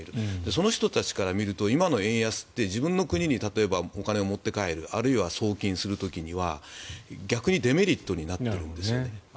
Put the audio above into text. その人たちから見ると今の円安って自分の国にお金を持って帰るあるいは送金する時には逆にデメリットになっているんですね。